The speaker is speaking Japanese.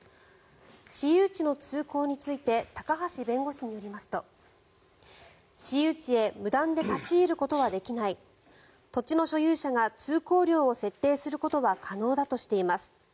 私有地の通行について高橋弁護士によりますと私有地へ無断で立ち入ることはできない土地の所有者が通行料を設定することは可能だとしています。